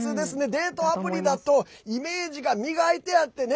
デートアプリだとイメージが磨いてあってね